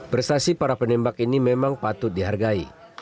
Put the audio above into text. prestasi para penembak ini memang patut dihargai